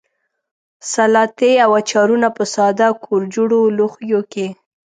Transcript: سلاتې او اچارونه په ساده کورجوړو لوښیو کې.